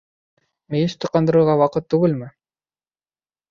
Мейес тоҡандырырға ваҡыт түгелме?